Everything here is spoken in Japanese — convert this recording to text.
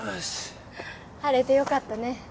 晴れてよかったね。